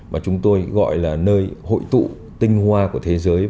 và chúng tôi gọi là nơi hội tụ tinh hoa của thế giới